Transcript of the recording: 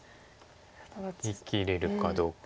生きれるかどうか。